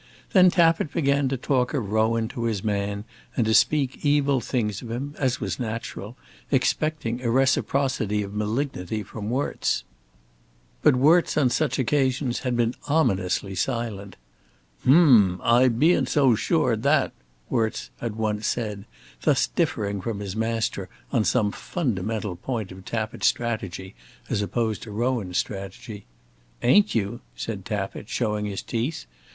Then Tappitt began to talk of Rowan to his man, and to speak evil things of him, as was natural, expecting a reciprocity of malignity from Worts. But Worts on such occasions had been ominously silent. "H m, I bean't so zure o' that," Worts had once said, thus differing from his master on some fundamental point of Tappitt strategy as opposed to Rowan strategy. "Ain't you?" said Tappitt, showing his teeth.